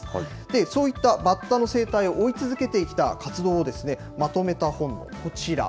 そういったバッタの生態を追い続けてきた活動を、まとめた本がこちら。